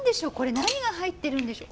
何が入ってるんでしょう？